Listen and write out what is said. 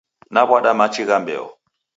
Naw'ada machi gha mbeo.